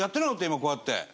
今こうやって。